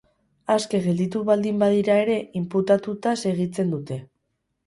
Aske gelditu baldin badira ere, inputatuta segitzen dute.